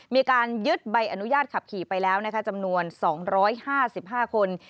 มีการยึดใบอนุญาตขับขี่ไปแล้วนะคะจำนวน๒๕๕คน